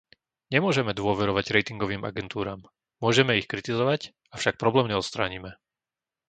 Nemôžeme dôverovať ratingovým agentúram. Môžeme ich kritizovať, avšak problém neodstránime.